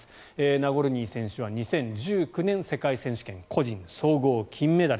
ナゴルニー選手は２０１９年世界選手権で個人総合金メダル。